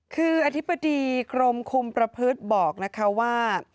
คืออธิบดีกรมคุมประพฤติบอกนะคะว่า